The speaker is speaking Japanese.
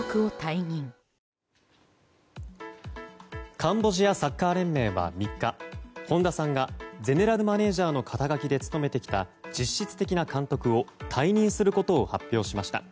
カンボジアサッカー連盟は３日本田さんがゼネラルマネジャーの肩書きで務めてきた実質的な監督を退任することを発表しました。